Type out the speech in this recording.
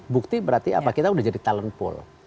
bukti berarti kita sudah jadi talent pool